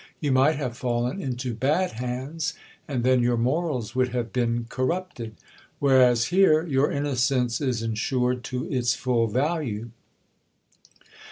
You might have fallen into bad hands, and then your morals would have been 14 GIL BLAS. corrupted ; whereas here your innocence is insured to its full value.